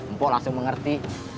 empok langsung mengerti